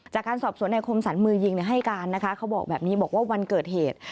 จากการสอบสวนในคมสรรมือยิงให้การนะคะเขาบอกแบบนี้บอกว่าวันเกิดเหตุ